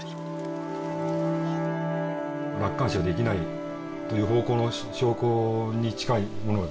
楽観視はできないという方向の証拠に近いものがですね